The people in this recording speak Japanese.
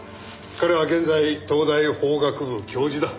彼は現在東大法学部教授だ。